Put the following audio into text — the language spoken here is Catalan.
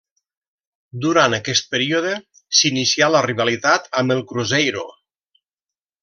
Durant aquest període s'inicià la rivalitat amb el Cruzeiro.